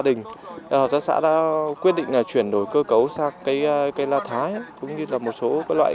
đình hợp tác xã đã quyết định là chuyển đổi cơ cấu sang cây cây la thái cũng như là một số loại